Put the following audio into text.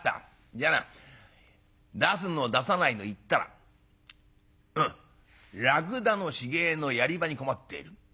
じゃあな出すの出さないの言ったらうん『らくだの死骸のやり場に困っている。